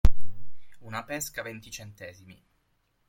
Una pesca venti centesimi.